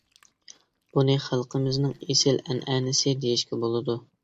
بۇنى خەلقىمىزنىڭ ئېسىل ئەنئەنىسى دېيىشكە بولىدۇ.